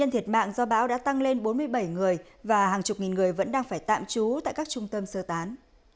thiệt mạng do bão đã tăng lên bốn mươi bảy người và hàng chục nghìn người vẫn đang phải tạm trú tại các trung tâm sơ tán